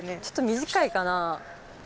ちょっと短いかな？